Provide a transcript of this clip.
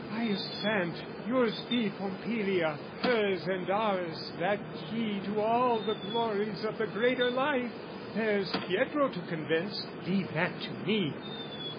"I assent: "Yours be Pompilia, hers and ours that key "To all the glories of the greater life! "There's Pietro to convince: leave that to me!"